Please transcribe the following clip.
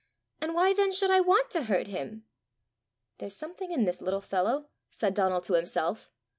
and why then should I want to hurt him?" "There's something in this little fellow!" said Donal to himself.